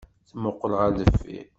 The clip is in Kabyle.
Temmuqqel ɣer deffir.